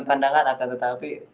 pandangan akan tetapi